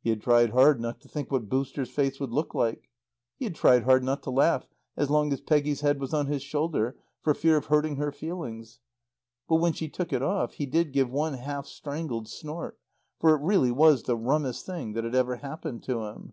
He had tried hard not to think what "Booster's" face would look like; he had tried hard not to laugh as long as Peggy's head was on his shoulder, for fear of hurting her feelings; but when she took it off he did give one half strangled snort; for it really was the rummest thing that had ever happened to him.